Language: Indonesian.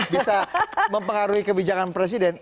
bisa mempengaruhi kebijakan presiden